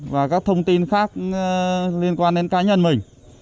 và các thông tin khác liên quan đến cá nhân mình